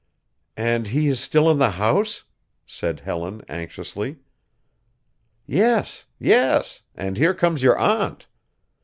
"And he is still in the house?" said Helen, anxiously. "Yes, yes, and here comes your aunt.